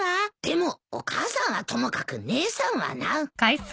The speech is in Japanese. でもお母さんはともかく姉さんはな。